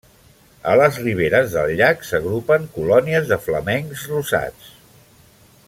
A les riberes del llac s'agrupen colònies de flamencs rosats.